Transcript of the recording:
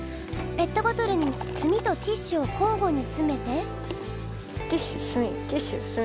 ペットボトルに炭とティッシュを交互につめて。